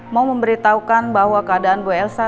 mau memberitahukan bahwa keadaan bu elsa